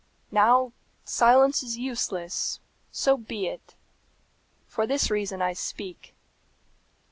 Now silence is useless. So be it! For this reason I speak.